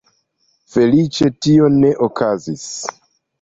Feliĉe tio ne okazis.